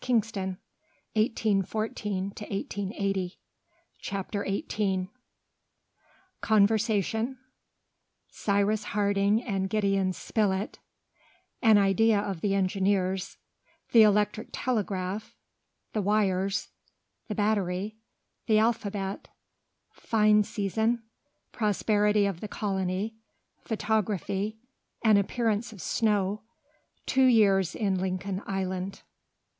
And Ayrton, bowing, reached the door and departed. CHAPTER XVIII Conversation Cyrus Harding and Gideon Spilett An Idea of the Engineer's The Electric Telegraph The Wires The Battery The Alphabet Fine Season Prosperity of the Colony Photography An Appearance of Snow Two Years in Lincoln Island.